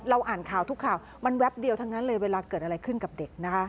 อ่านข่าวทุกข่าวมันแป๊บเดียวทั้งนั้นเลยเวลาเกิดอะไรขึ้นกับเด็กนะคะ